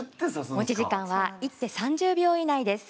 持ち時間は１手３０秒以内です。